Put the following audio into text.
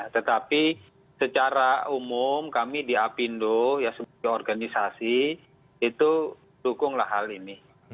tetapi secara umum kami di apindo ya sebagai organisasi itu dukunglah hal ini